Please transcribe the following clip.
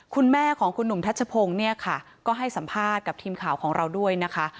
คุณแม่ของคุณหนุ่มทัชพงศ์เนี่ยค่ะก็ให้สัมภาษณ์กับทีมข่าวของเราด้วยนะคะ